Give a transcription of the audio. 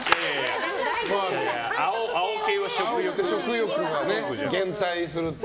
青系は食欲が減退するっていう。